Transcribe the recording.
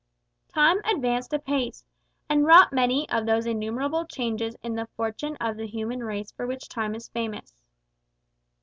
Time advanced apace, and wrought many of those innumerable changes in the fortunes of the human race for which Time is famous.